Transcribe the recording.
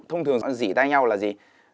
thông thường dì tay nhau là gì